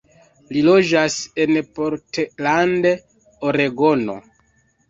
Li loĝas en Portland, Oregono.